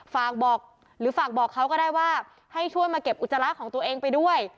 ฝากบอกหรือฝากบอกเขาก็ได้ว่าให้ช่วยมาเก็บอุจจาระของตัวเองไปด้วย